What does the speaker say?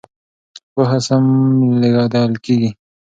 پوهه سم لېږدول کېږي.